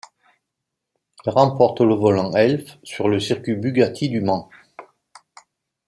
Il remporte le Volant Elf sur le Circuit Bugatti du Mans.